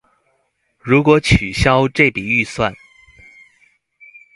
如果取消這筆預算